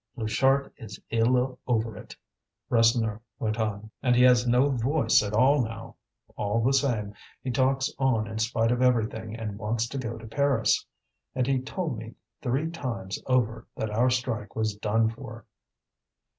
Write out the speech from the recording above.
"Pluchart is ill over it," Rasseneur went on. "And he has no voice at all now. All the same, he talks on in spite of everything and wants to go to Paris. And he told me three times over that our strike was done for."